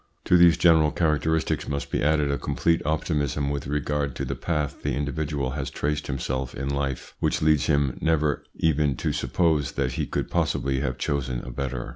To these general characteristics must be added a complete optimism with regard to the path the indi vidual has traced himself in life, which leads him never even to suppose that he could possibly have chosen a better.